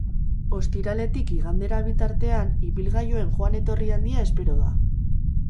Ostiraletik igandera bitartean ibilgailuen joan-etorri handia espero da.